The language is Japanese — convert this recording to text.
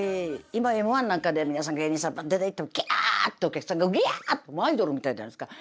今「Ｍー１」なんかで皆さん芸人さん出ていっても「キャ」ってお客さんが「ウギャ」ってアイドルみたいじゃないですか。